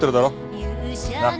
なっ。